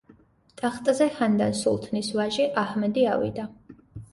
ტახტზე ჰანდან სულთნის ვაჟი აჰმედი ავიდა.